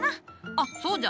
あそうじゃ。